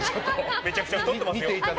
めちゃくちゃ太ってますよ。